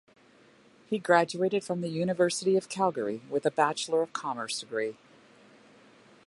He graduated from the University of Calgary with a Bachelor of Commerce degree.